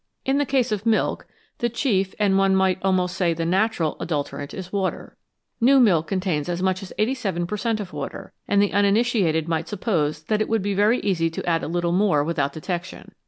In the case of milk the chief, and one might almost say the natural, adulterant is water. New milk contains as much as 87 per cent, of water, and the uninitiated might suppose that it would be very easy to add a little more without detection.